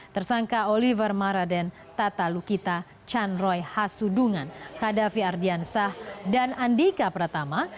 tersangka oliver maraden tata lukita chan roy hasudungan kadafi ardiansah dan andika pratama